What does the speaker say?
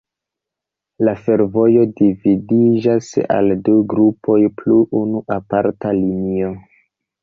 La fervojo dividiĝas al du grupoj plus unu aparta linio.